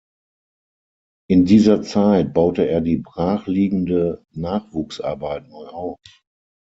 In dieser Zeit baute er die brachliegende Nachwuchsarbeit neu auf.